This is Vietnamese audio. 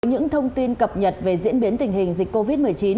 những thông tin cập nhật về diễn biến tình hình dịch covid một mươi chín